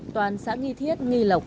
toàn xã nghi thiết nghi lộc